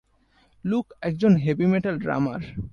Look একজন heavy metal ড্রামার।